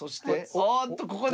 おっとここで。